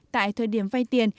tại thời điểm vay tiền